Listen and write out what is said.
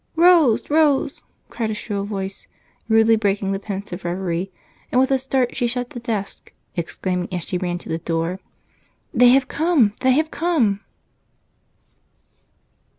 "Rose! Rose!" called a shrill voice, rudely breaking the pensive reverie, and with a start, she shut the desk, exclaiming as she ran to the door: "They have come! They have come!"